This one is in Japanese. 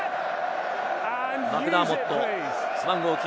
マクダーモット、背番号９。